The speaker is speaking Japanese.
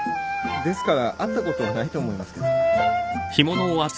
ですから会ったことないと思いますけど。